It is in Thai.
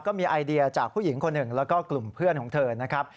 ก็มีไอเดียจากผู้หญิงคนหนึ่งแล้วก็กลุ่มเพื่อนของเธอนะครับ